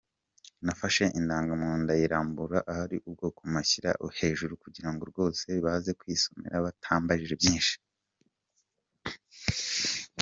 Nafashe indangamuntu ndayirambura ahari ubwoko mpashyira hejuru kugirango rwose baze kwisomera batambajije byinshi.